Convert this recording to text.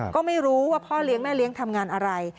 ก็ไม่รู้ว่าพ่อเลี้ยงแม่เลี้ยงทำงานอะไร